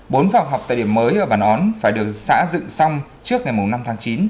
bốn phòng học tại điểm mới ở bản on phải được xã dựng xong trước ngày năm tháng chín